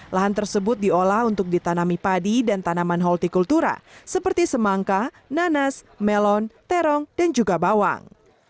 lahan tersebut diolah untuk ditanami padi dan tanaman holti kultura seperti semangka nanas melon terong dan juga bawang